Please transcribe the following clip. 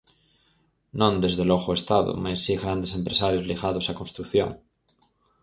Non desde logo o Estado, mais si grandes empresarios ligados á construción.